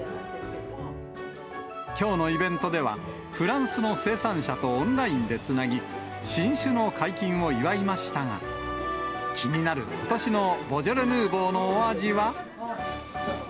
きょうのイベントでは、フランスの生産者とオンラインでつなぎ、新酒の解禁を祝いましたが、気になることしのボジョレ・ヌーボーのお味は。